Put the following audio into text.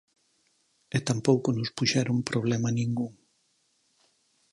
E tampouco nos puxeron problema ningún.